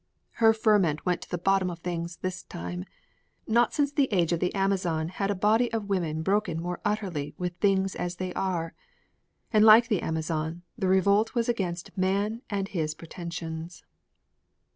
Her ferment went to the bottom of things this time. Not since the age of the Amazon had a body of women broken more utterly with things as they are. And like the Amazon, the revolt was against man and his pretensions.